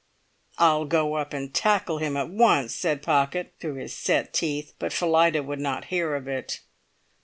"I'll go up and tackle him at once," said Pocket, through his set teeth; but Phillida would not hear of it.